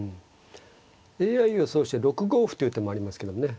ＡＩ予想手は６五歩という手もありますけどね